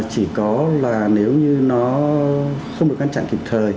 chỉ có là nếu như nó không được ngăn chặn kịp thời